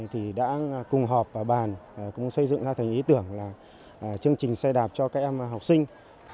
thì đã cùng họp và bàn cũng xây dựng ra thành ý tưởng là chương trình xe đạp cho các em học sinh